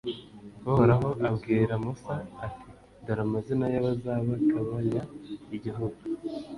uhoraho abwira musa, ati dore amazina y’abazabagabanya igihugu